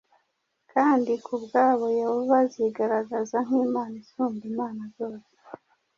kandi ku bwabo Yehova azigaragaza nk’Imana isumba imana zose